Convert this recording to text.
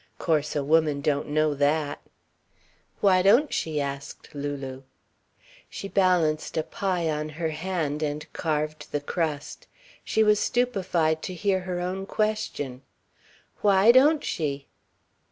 "Course a woman don't know that." "Why don't she?" asked Lulu. She balanced a pie on her hand and carved the crust. She was stupefied to hear her own question. "Why don't she?"